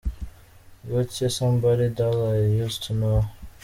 Gotye – Somebody That I Used To Know.